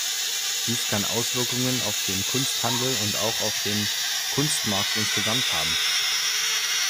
Dies kann Auswirkungen auf den Kunsthandel und auch auf den Kunstmarkt insgesamt haben.